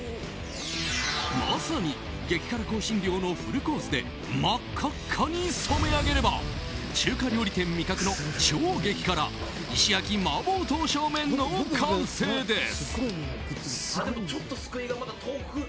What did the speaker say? まさに激辛香辛料のフルコースで真っ赤っかに染め上げれば中華料理店、味覚の超激辛石焼麻婆刀削麺の完成です。